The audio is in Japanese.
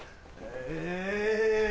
え。